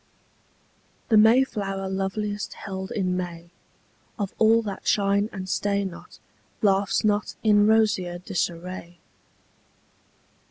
The Mayflower loveliest held in May Of all that shine and stay not Laughs not in rosier disarray.